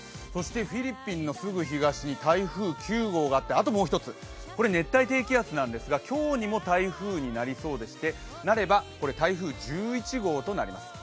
フィリピンのすぐ東に台風９号があって、あともう１つ、これは熱帯低気圧なんですが、今日にも台風になりそうでしてなれば台風１１号となります。